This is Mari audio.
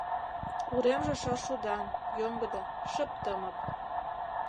Уремже шаршудан, йоҥгыдо, шып-тымык.